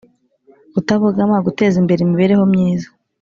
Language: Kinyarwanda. kutabogama guteza imbere imibereho myiza